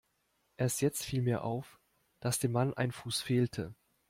Erst jetzt fiel mir auf, dass dem Mann ein Fuß fehlte.